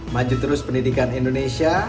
maju terus pendidikan indonesia